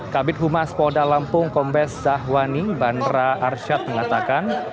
kabin humas polda lampung kombes zahwani bandara arsyad mengatakan